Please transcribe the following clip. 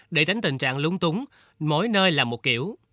để đánh tình trạng lung túng mỗi nơi là một kiểu